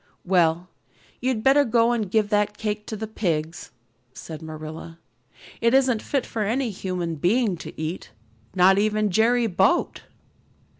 "Well, you'd better go and give that cake to the pigs," said Marilla. "It isn't fit for any human to eat, not even Jerry Boute." CHAPTER XXII.